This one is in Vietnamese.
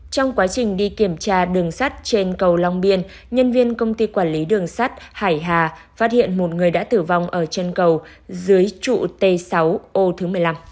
trong quá trình đi kiểm tra đường sắt trên cầu long biên nhân viên công ty quản lý đường sắt hải hà phát hiện một người đã tử vong ở chân cầu dưới trụ t sáu ô thứ một mươi năm